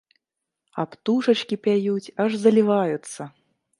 А птушачкі пяюць, аж заліваюцца!